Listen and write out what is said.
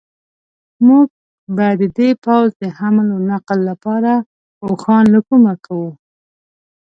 موږ به د دې پوځ د حمل و نقل لپاره اوښان له کومه کوو.